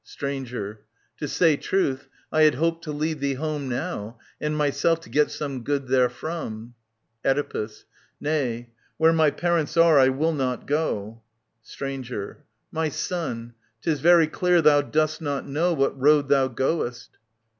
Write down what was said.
Stranger. To say truth, I had hoped to lead thee home Now, and myself to get some good therefrom. Oedipus. Nay ; where my parents are I will not go. Stranger. My son, 'tis very clear thou dost not know What road thou goest.